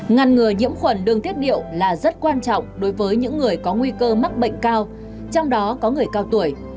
ngăn ngừa nhiễm khuẩn đường tiết điệu là rất quan trọng đối với những người có nguy cơ mắc bệnh cao trong đó có người cao tuổi